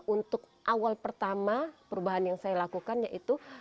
untuk awal pertama perubahan yang saya lakukan yaitu